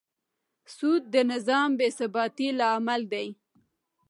سود د نظام بېثباتي لامل دی.